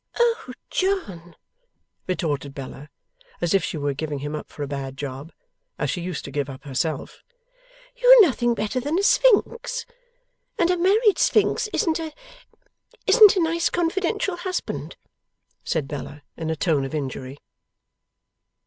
'Oh, John!' retorted Bella, as if she were giving him up for a bad job, as she used to give up herself. 'You are nothing better than a sphinx! And a married sphinx isn't a isn't a nice confidential husband,' said Bella, in a tone of injury.